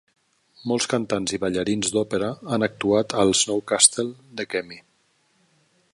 Molts cantants i ballarins d'òpera han actuat al SnowCastle de Kemi.